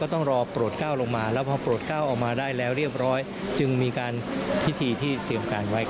ต้องรอนัดหมาย